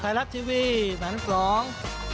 ใครรักชีวิตหลังสอง